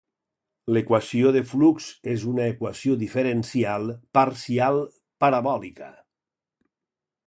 L'equació de flux és una equació diferencial parcial parabòlica.